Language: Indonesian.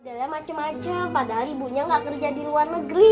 jalannya macam macam padahal ibunya nggak kerja di luar negeri